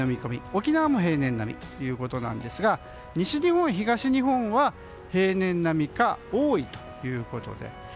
沖縄も平年並みですが西日本、東日本は平年並みか多いということで。